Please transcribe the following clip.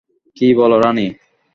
কী বল রানী?